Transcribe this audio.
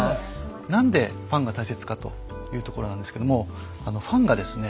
何でファンが大切かというところなんですけどもあのファンがですね